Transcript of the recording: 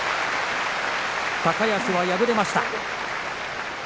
高安は敗れました。